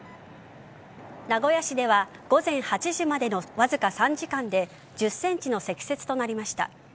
名古屋市では午前８時までのわずか３時間で１０ｃｍの積雪となりました。